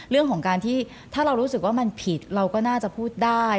เรื่องของการที่ถ้าเรารู้สึกว่ามันผิดเราก็น่าจะพูดได้